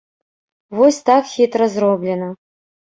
Вось так хітра зроблена.